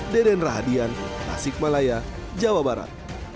deden rahadian tasik malaya jawa barat